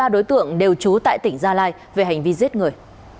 một mươi ba đối tượng đều trú tại tỉnh gia lai về hành vi giết người